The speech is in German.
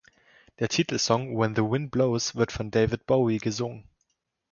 Der Titelsong "When the Wind Blows" wird von David Bowie gesungen.